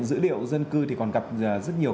dữ liệu dân cư thì còn gặp rất nhiều